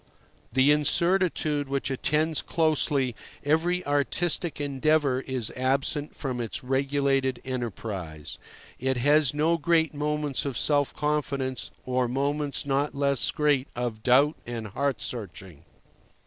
The incertitude which attends closely every artistic endeavour is absent from its regulated enterprise. It has no great moments of self confidence, or moments not less great of doubt and heart searching.